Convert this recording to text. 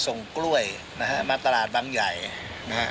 ส่งกล้วยนะฮะมาตลาดบางใหญ่นะฮะ